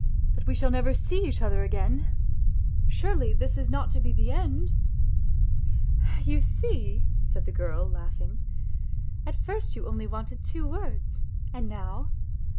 . that we shall never see each other again ?... Surely this is not to be the end ?"" You see," said the girl, laughing, " at first you only wanted two words, and now